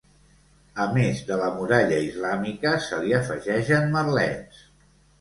A més de la muralla islàmica se li afegeixen merlets.